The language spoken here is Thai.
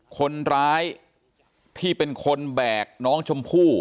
คนร้ายที่เป็นคนแบกน้องชมพู่